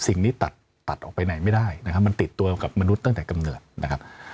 สิ่งนี้ตัดตัดออกไปไหนไม่ได้นะครับมันติดตัวกับมนุษย์ตั้งแต่กำเนิดนะครับ